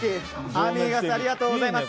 アミーガスありがとうございます。